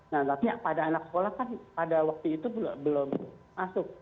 nah tapi pada anak sekolah kan pada waktu itu belum masuk